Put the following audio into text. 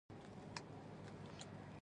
رقیب زما د ځان پوهې هڅوونکی دی